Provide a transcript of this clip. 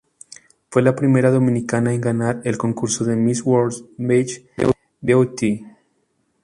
Fue la primera dominicana en ganar el concurso de Miss World Beach Beauty.